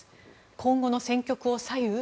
今後の戦局を左右？